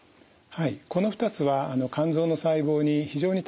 はい。